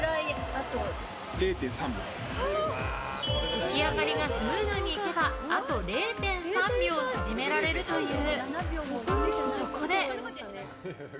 浮き上がりがスムーズにいけばあと０．３秒縮められるという。